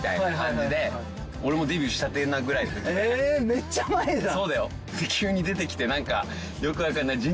めっちゃ前じゃん！